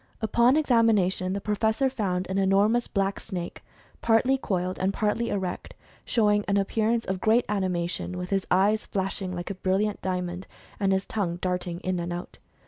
Upon examination the Professor found an enormous black snake, partly coiled, and partly erect, showing an ap pearance of great animation, with his eyes flashing like a brilliant diamond, and his tongue darting in and out.